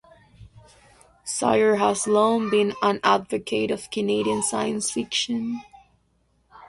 Sawyer has long been an advocate of Canadian science fiction.